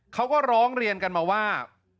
เขาก็ร้องเรียนกันมาว่า